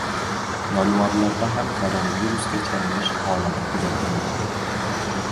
Jonivorlarda ham koronavirusga chalinish holati kuzatilmoqda